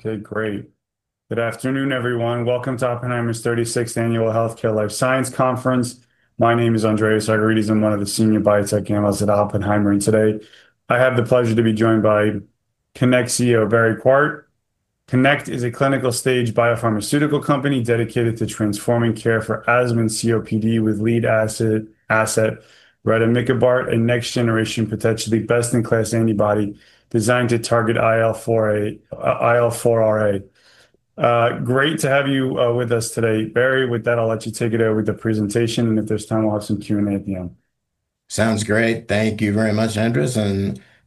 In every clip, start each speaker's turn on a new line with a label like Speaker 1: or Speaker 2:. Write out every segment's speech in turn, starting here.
Speaker 1: Okay, great. Good afternoon, everyone. Welcome to Oppenheimer's 36th Annual Healthcare Life Science Conference. My name is Andreas Argyrides. I'm one of the senior biotech analysts at Oppenheimer. Today I have the pleasure to be joined by Connect CEO, Barry Quart. Connect is a clinical stage biopharmaceutical company dedicated to transforming care for asthma and COPD, with lead asset Rademikibart, a next-generation, potentially best-in-class antibody designed to target IL-4Rα. Great to have you with us today, Barry. With that, I'll let you take it over with the presentation. If there's time, we'll have some Q&A at the end.
Speaker 2: Sounds great. Thank you very much, Andreas.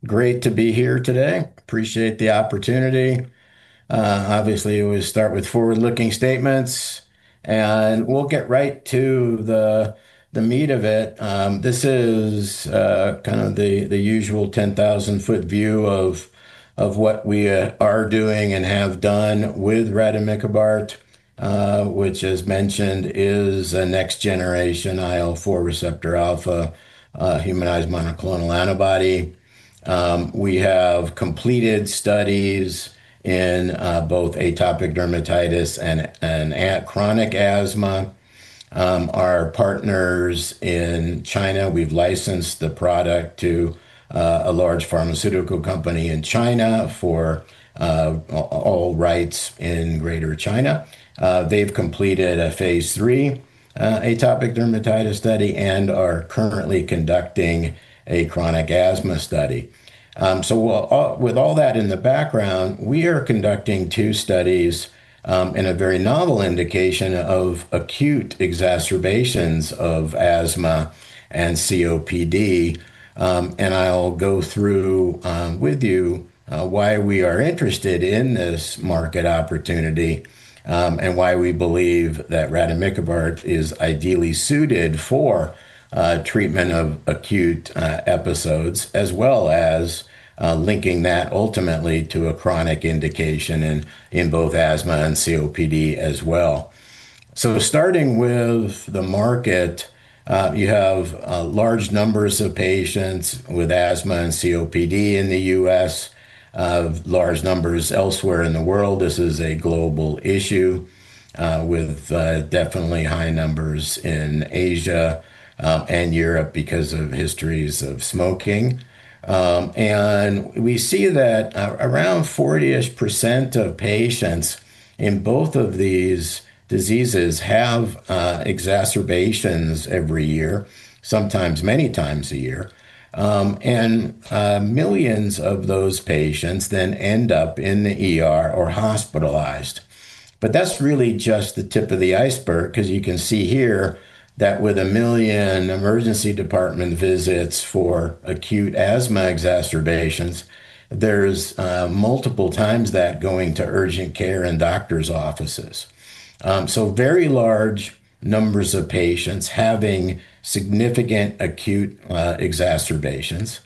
Speaker 2: Great to be here today. Appreciate the opportunity. Obviously, we start with forward-looking statements. We'll get right to the meat of it. This is kind of the usual 10,000-foot view of what we are doing and have done with Rademikibart, which, as mentioned, is a next-generation IL-4 receptor alpha humanized monoclonal antibody. We have completed studies in both atopic dermatitis and chronic asthma. Our partners in China, we've licensed the product to a large pharmaceutical company in China for all rights in Greater China. They've completed Phase III atopic dermatitis study and are currently conducting a chronic asthma study. With all that in the background, we are conducting two studies in a very novel indication of acute exacerbations of asthma and COPD. I'll go through with you why we are interested in this market opportunity and why we believe that Rademikibart is ideally suited for treatment of acute episodes, as well as linking that ultimately to a chronic indication in both asthma and COPD as well. Starting with the market, you have large numbers of patients with asthma and COPD in the U.S., large numbers elsewhere in the world. This is a global issue with definitely high numbers in Asia and Europe because of histories of smoking. We see that around 40-ish% of patients in both of these diseases have exacerbations every year, sometimes many times a year. Millions of those patients end up in the ER or hospitalized. That's really just the tip of the iceberg, 'cause you can see here that with a million emergency department visits for acute asthma exacerbations, there's multiple times that going to urgent care and doctor's offices. Very large numbers of patients having significant acute exacerbations.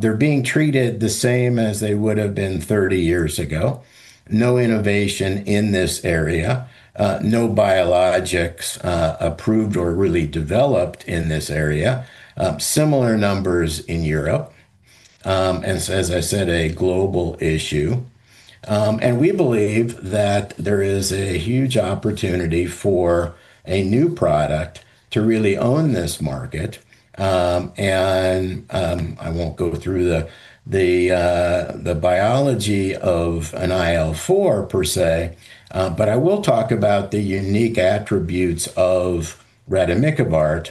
Speaker 2: They're being treated the same as they would have been 30 years ago. No innovation in this area, no biologics approved or really developed in this area. Similar numbers in Europe, as I said, a global issue. We believe that there is a huge opportunity for a new product to really own this market. I won't go through the biology of an IL-4 per se, but I will talk about the unique attributes of Rademikibart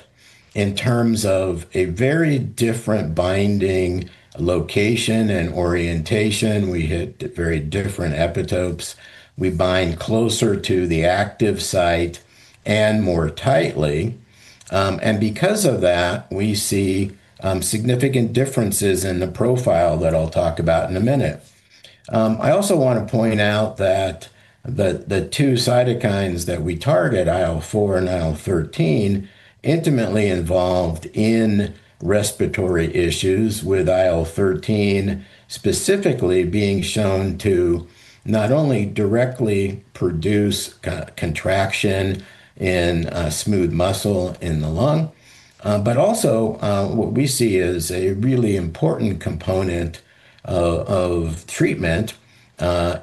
Speaker 2: in terms of a very different binding location and orientation. We hit very different epitopes. We bind closer to the active site and more tightly, and because of that, we see significant differences in the profile that I'll talk about in a minute. I also want to point out that the two cytokines that we target, IL-4 and IL-13, intimately involved in respiratory issues, with IL-13 specifically being shown to not only directly produce contraction in smooth muscle in the lung, but also what we see as a really important component of treatment,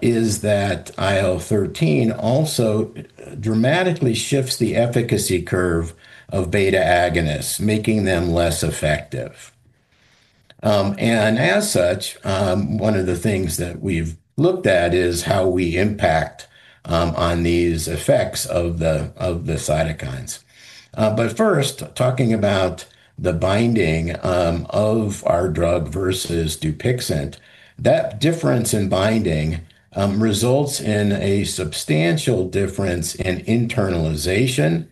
Speaker 2: is that IL-13 also dramatically shifts the efficacy curve of beta-agonists, making them less effective. As such, one of the things that we've looked at is how we impact on these effects of the cytokines. First, talking about the binding of our drug versus Dupixent, that difference in binding results in a substantial difference in internalization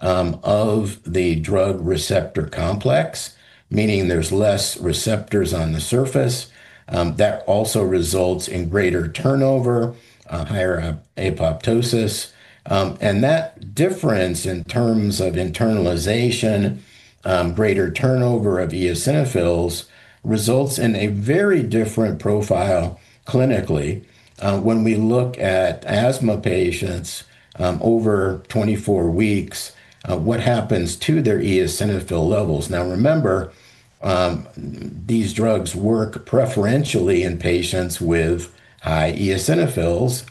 Speaker 2: of the drug-receptor complex, meaning there's less receptors on the surface. That also results in greater turnover, higher apoptosis. That difference in terms of internalization, greater turnover of eosinophils, results in a very different profile clinically. When we look at asthma patients, over 24 weeks, what happens to their eosinophil levels? Now, remember, these drugs work preferentially in patients with high eosinophils.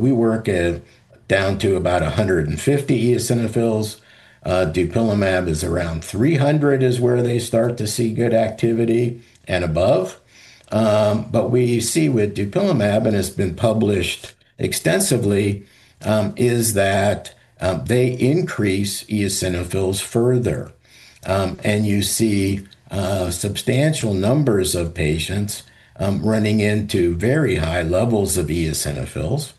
Speaker 2: We work at down to about 150 eosinophils. Dupilumab is around 300, is where they start to see good activity and above. We see with dupilumab, and it's been published extensively, is that they increase eosinophils further. You see substantial numbers of patients running into very high levels of eosinophils.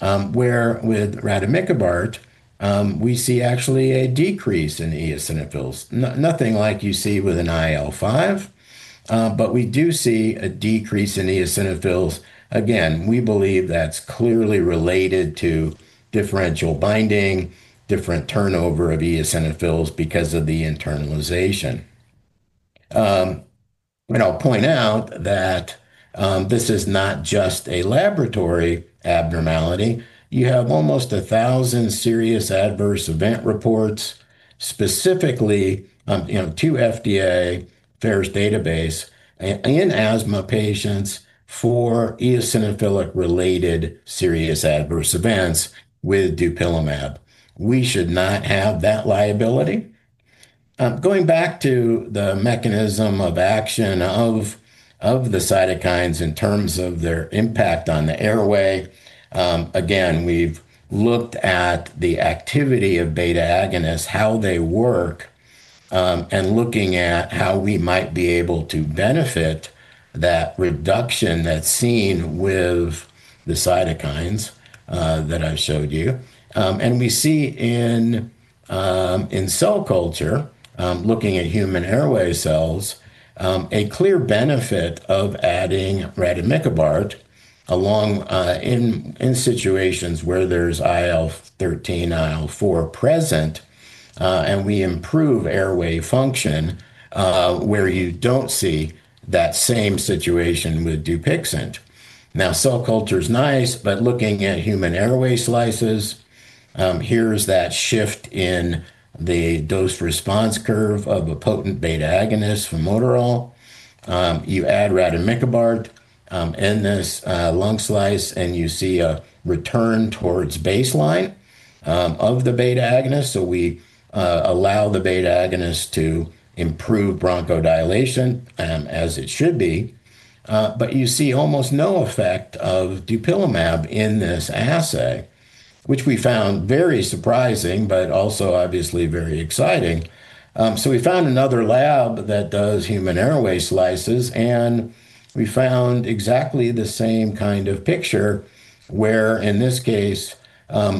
Speaker 2: With Rademikibart, we see actually a decrease in eosinophils. Nothing like you see with an IL-5, but we do see a decrease in eosinophils. We believe that's clearly related to differential binding, different turnover of eosinophils because of the internalization. I'll point out that this is not just a laboratory abnormality. You have almost 1,000 serious adverse event reports, specifically, you know, to FDA FAERS database in asthma patients for eosinophilic-related serious adverse events with dupilumab. We should not have that liability. Going back to the mechanism of action of the cytokines in terms of their impact on the airway, we've looked at the activity of beta-agonists, how they work, and looking at how we might be able to benefit that reduction that's seen with the cytokines that I've showed you. We see in cell culture, looking at human airway cells, a clear benefit of adding Rademikibart along in situations where there's IL-13, IL-4 present, we improve airway function where you don't see that same situation with Dupixent. Cell culture is nice, but looking at human airway slices, here's that shift in the dose-response curve of a potent beta-agonist, formoterol. You add Rademikibart in this lung slice, and you see a return towards baseline of the beta-agonist. We allow the beta-agonist to improve bronchodilation as it should be. You see almost no effect of dupilumab in this assay, which we found very surprising, but also obviously very exciting. We found another lab that does human airway slices, and we found exactly the same kind of picture, where, in this case,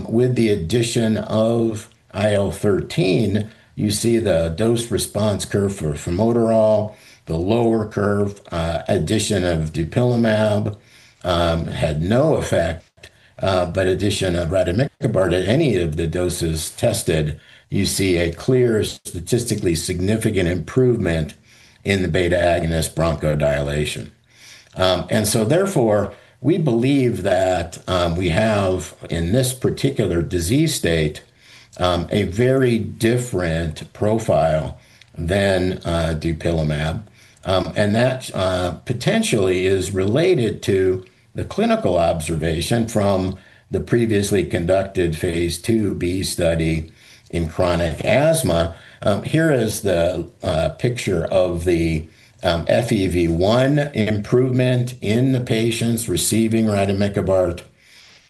Speaker 2: with the addition of IL-13, you see the dose-response curve for formoterol. The lower curve, addition of dupilumab, had no effect, but addition of Rademikibart at any of the doses tested, you see a clear, statistically significant improvement in the beta-agonist bronchodilation. Therefore, we believe that we have, in this particular disease state, a very different profile than dupilumab. That potentially is related to the clinical observation from the previously conducted phase IIb study in chronic asthma. Here is the picture of the FEV1 improvement in the patients receiving Rademikibart.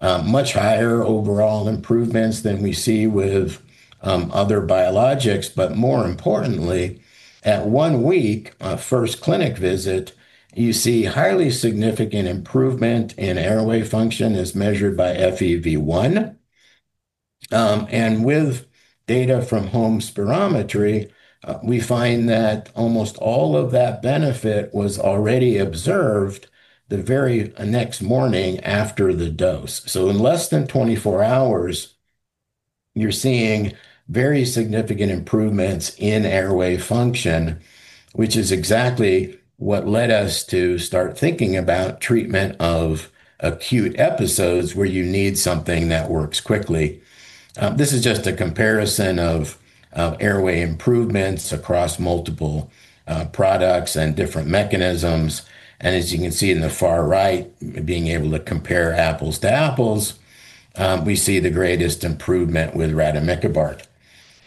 Speaker 2: Much higher overall improvements than we see with other biologics. More importantly, at one week, our first clinic visit, you see highly significant improvement in airway function as measured by FEV1. With data from home spirometry, we find that almost all of that benefit was already observed the very next morning after the dose. In less than 24 hours, you're seeing very significant improvements in airway function, which is exactly what led us to start thinking about treatment of acute episodes, where you need something that works quickly. This is just a comparison of airway improvements across multiple products and different mechanisms. As you can see in the far right, being able to compare apples to apples, we see the greatest improvement with Rademikibart.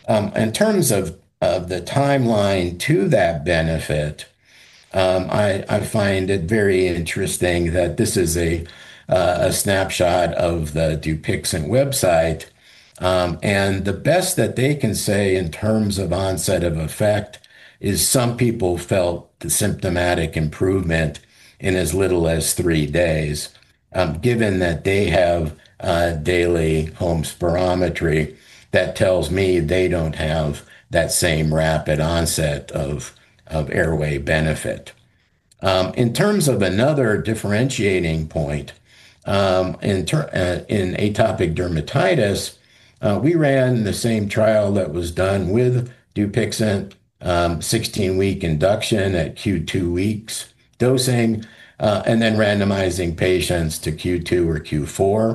Speaker 2: In terms of the timeline to that benefit, I find it very interesting that this is a snapshot of the Dupixent website. The best that they can say in terms of onset of effect is some people felt the symptomatic improvement in as little as three days. Given that they have daily home spirometry, that tells me they don't have that same rapid onset of airway benefit. In terms of another differentiating point, in atopic dermatitis. We ran the same trial that was done with Dupixent, 16-week induction at Q2 weeks dosing, and then randomizing patients to Q2W or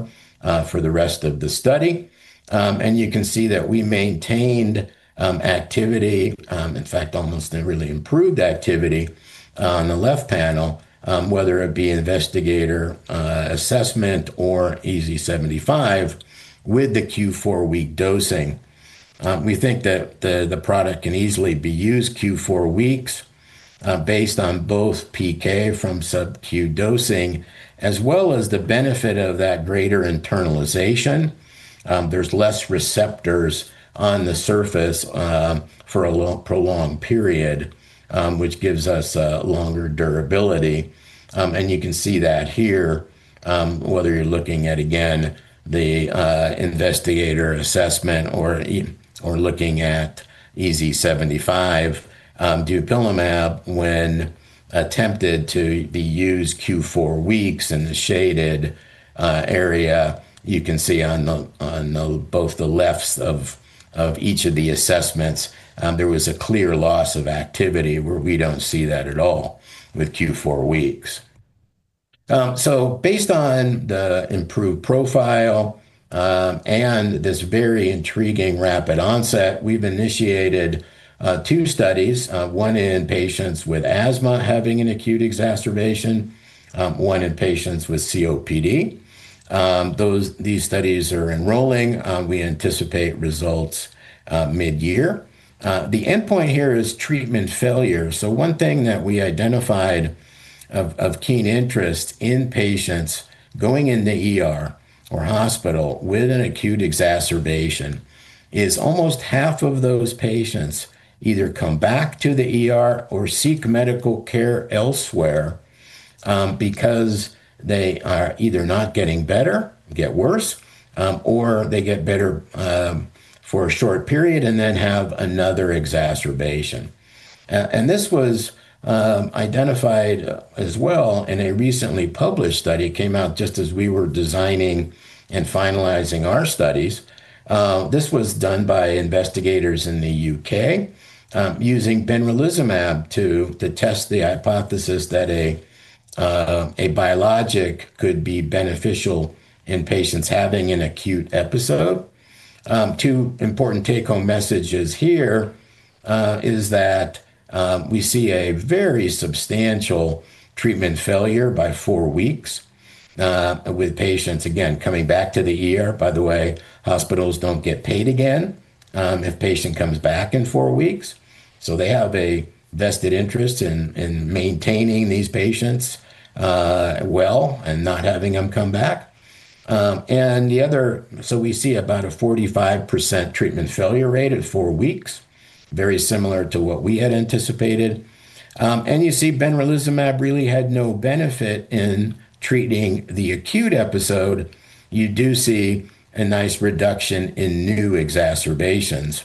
Speaker 2: Q4W for the rest of the study. You can see that we maintained activity, in fact, almost a really improved activity on the left panel, whether it be investigator assessment or EASI-75 with the Q4W dosing. We think that the product can easily be used Q4 weeks, based on both PK from sub-Q dosing, as well as the benefit of that greater internalization. There's less receptors on the surface for a long prolonged period, which gives us a longer durability. You can see that here, whether you're looking at, again, the investigator assessment or looking at EASI-75. Dupilumab, when attempted to be used Q4 weeks in the shaded area, you can see on the both the lefts of each of the assessments, there was a clear loss of activity. We don't see that at all with Q4 weeks. Based on the improved profile, and this very intriguing rapid onset, we've initiated two studies, one in patients with asthma having an acute exacerbation, one in patients with COPD. These studies are enrolling. We anticipate results mid-year. The endpoint here is treatment failure. One thing that we identified of keen interest in patients going in the ER or hospital with an acute exacerbation, is almost half of those patients either come back to the ER or seek medical care elsewhere, because they are either not getting better, get worse, or they get better for a short period and then have another exacerbation. This was identified as well in a recently published study. It came out just as we were designing and finalizing our studies. This was done by investigators in the U.K., using benralizumab to test the hypothesis that a biologic could be beneficial in patients having an acute episode. Two important take-home messages here is that we see a very substantial treatment failure by four weeks with patients, again, coming back to the ER. By the way, hospitals don't get paid again, if patient comes back in four weeks, so they have a vested interest in maintaining these patients, well and not having them come back. We see about a 45% treatment failure rate at four weeks, very similar to what we had anticipated. You see benralizumab really had no benefit in treating the acute episode. You do see a nice reduction in new exacerbations,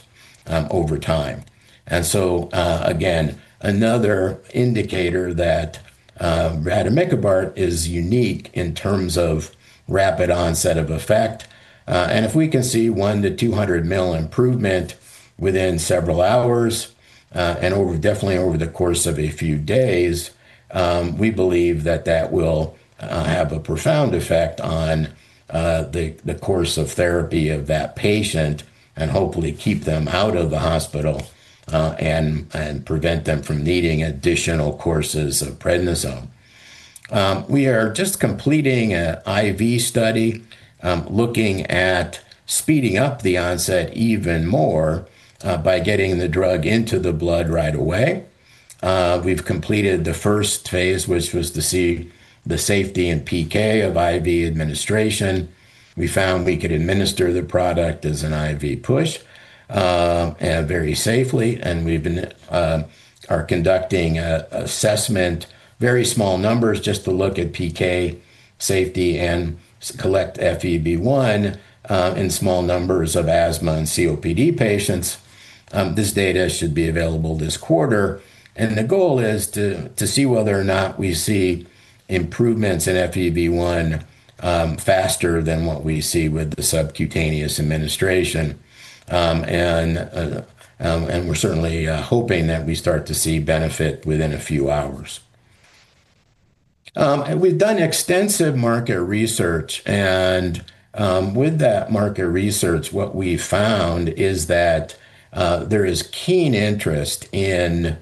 Speaker 2: over time. Again, another indicator that Rademikibart is unique in terms of rapid onset of effect. If we can see 100-200 mil improvement within several hours, and definitely over the course of a few days, we believe that that will have a profound effect on the course of therapy of that patient and hopefully keep them out of the hospital, and prevent them from needing additional courses of prednisone. We are just completing an IV study, looking at speeding up the onset even more, by getting the drug into the blood right away. We've completed the first phase, which was to see the safety and PK of IV administration. We found we could administer the product as an IV push, very safely, and are conducting a assessment, very small numbers, just to look at PK safety and collect FEV1, in small numbers of asthma and COPD patients. This data should be available this quarter, and the goal is to see whether or not we see improvements in FEV1, faster than what we see with the subcutaneous administration. We're certainly hoping that we start to see benefit within a few hours. We've done extensive market research, with that market research, what we found is that there is keen interest in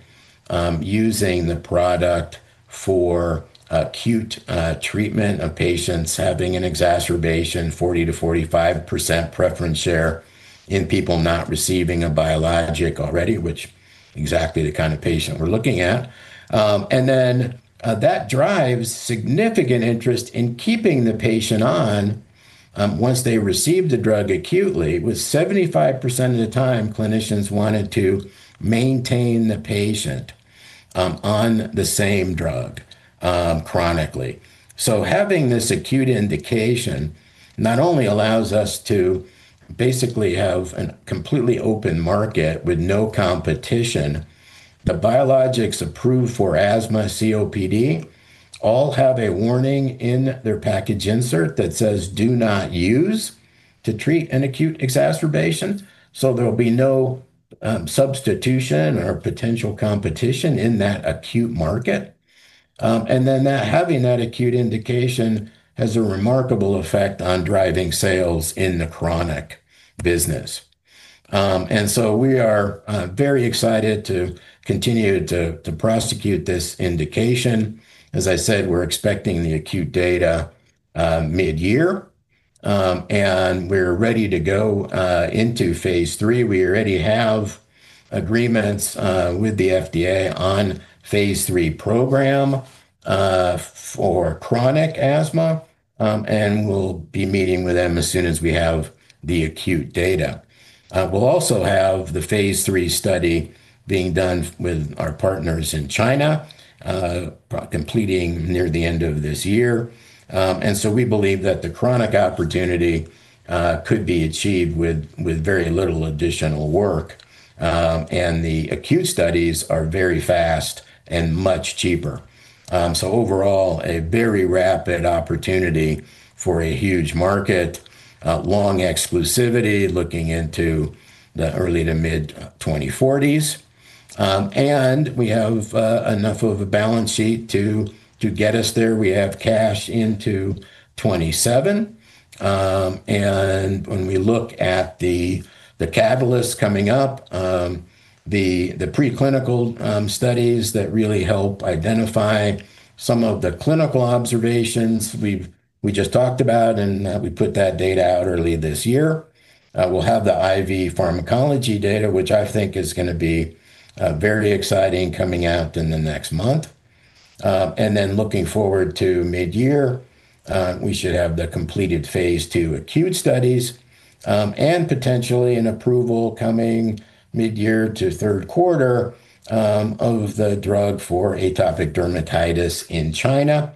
Speaker 2: using the product for acute treatment of patients having an exacerbation, 40%-45% preference share in people not receiving a biologic already, which exactly the kind of patient we're looking at. That drives significant interest in keeping the patient on once they receive the drug acutely, with 75% of the time, clinicians wanted to maintain the patient on the same drug chronically. Having this acute indication not only allows us to basically have a completely open market with no competition. The biologics approved for asthma COPD all have a warning in their package insert that says, "Do not use-... to treat an acute exacerbation", so there'll be no substitution or potential competition in that acute market. Having that acute indication has a remarkable effect on driving sales in the chronic business. We are very excited to continue to prosecute this indication. As I said, we're expecting the acute data midyear, and we're ready to go Phase III. we already have agreements with the FDA Phase III program for chronic asthma, and we'll be meeting with them as soon as we have the acute data. We'll also have Phase III study being done with our partners in China, completing near the end of this year. We believe that the chronic opportunity could be achieved with very little additional work, and the acute studies are very fast and much cheaper. Overall, a very rapid opportunity for a huge market, long exclusivity, looking into the early to mid-2040s. We have enough of a balance sheet to get us there. We have cash into 2027. When we look at the catalysts coming up, the preclinical studies that really help identify some of the clinical observations we just talked about, and we put that data out early this year. We'll have the IV pharmacology data, which I think is gonna be very exciting coming out in the next month. Looking forward to midyear, we should have the completed Phase II acute studies, and potentially an approval coming midyear to third quarter of the drug for atopic dermatitis in China.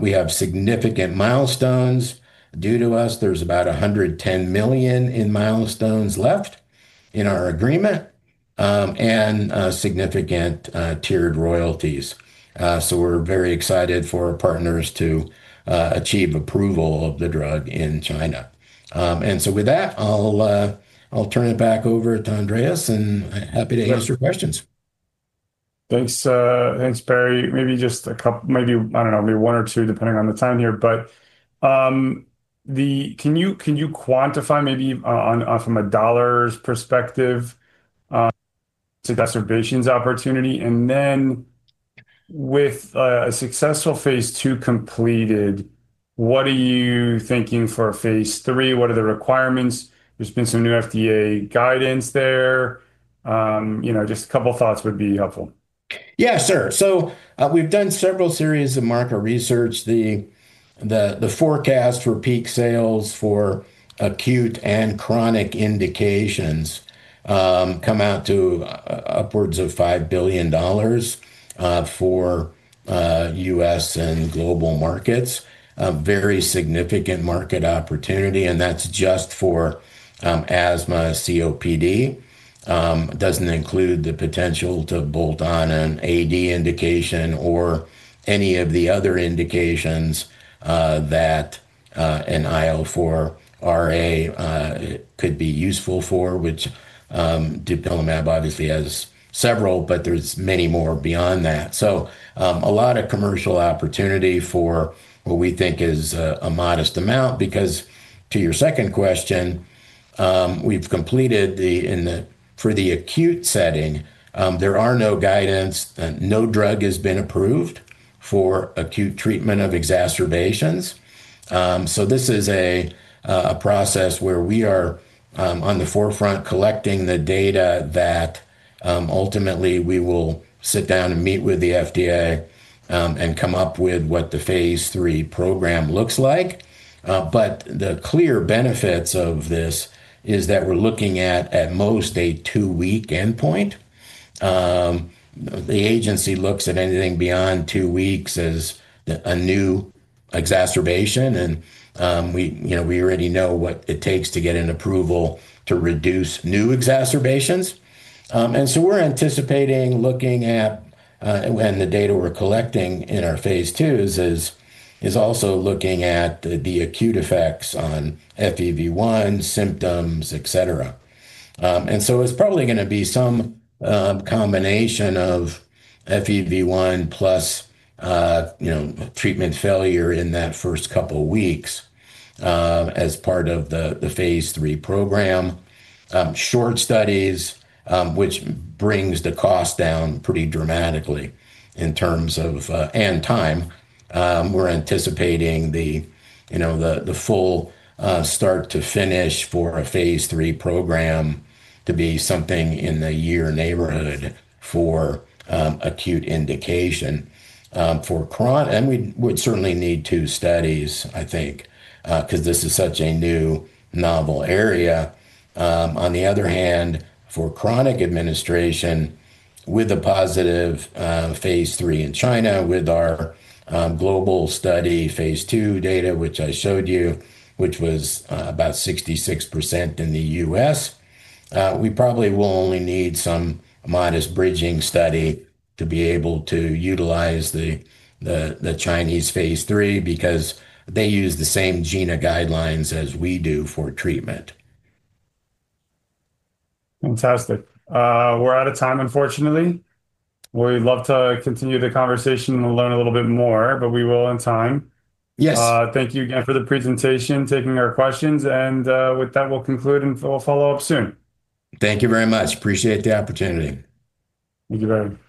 Speaker 2: We have significant milestones due to us. There's about $110 million in milestones left in our agreement, and significant tiered royalties. We're very excited for our partners to achieve approval of the drug in China. With that, I'll turn it back over to Andreas, and happy to answer questions.
Speaker 1: Thanks, thanks, Barry. Maybe just maybe, I don't know, maybe one or two, depending on the time here, but. Can you, can you quantify maybe on from a dollars perspective, the exacerbations opportunity? With a successful Phase II completed, what are you thinking Phase III? what are the requirements? There's been some new FDA guidance there. You know, just a couple thoughts would be helpful.
Speaker 2: Yeah, sure. We've done several series of market research. The forecast for peak sales for acute and chronic indications, come out to upwards of $5 billion for U.S. and global markets. A very significant market opportunity, and that's just for asthma, COPD. It doesn't include the potential to bolt on an AD indication or any of the other indications that an IL-4Rα could be useful for, which dupilumab obviously has several, but there's many more beyond that. A lot of commercial opportunity for what we think is a modest amount, because to your second question, we've completed the... for the acute setting, there are no guidance. No drug has been approved for acute treatment of exacerbations. This is a process where we are on the forefront collecting the data that ultimately, we will sit down and meet with the FDA and come up with what Phase III program looks like. The clear benefits of this is that we're looking at most, a two-week endpoint. The agency looks at anything beyond two weeks as a new exacerbation, we, you know, we already know what it takes to get an approval to reduce new exacerbations. We're anticipating looking at, and the data we're collecting in our Phase IIs is also looking at the acute effects on FEV1, symptoms, et cetera. It's probably gonna be some combination of FEV1 plus, you know, treatment failure in that first couple weeks, as part of Phase III program. Short studies, which brings the cost down pretty dramatically in terms of, And time, we're anticipating the, you know, the full start to finish for Phase III program to be something in the one year neighborhood for acute indication. We would certainly need two studies, I think, 'cause this is such a new, novel area. On the other hand, for chronic administration, with a positive Phase III in China, with our global study Phase II data, which I showed you, which was about 66% in the US, we probably will only need some modest bridging study to be able to utilize the Phase III, because they use the same GINA guidelines as we do for treatment.
Speaker 1: Fantastic. We're out of time, unfortunately. We'd love to continue the conversation and learn a little bit more, but we will on time.
Speaker 2: Yes.
Speaker 1: Thank you again for the presentation, taking our questions, and with that, we'll conclude and we'll follow up soon.
Speaker 2: Thank you very much. Appreciate the opportunity.
Speaker 1: Thank you, Barry.